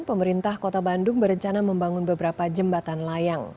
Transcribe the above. pemerintah kota bandung berencana membangun beberapa jembatan layang